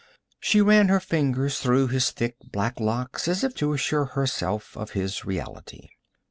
She ran her fingers through his thick black locks as if to assure herself of his reality.